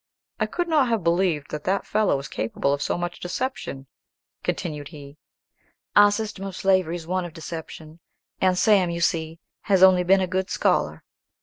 "I could not have believed that that fellow was capable of so much deception," continued he. "Our system of slavery is one of deception; and Sam, you see, has only been a good scholar.